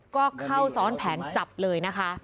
ก็เข้าซ้อนแผนจับเลยนะคะ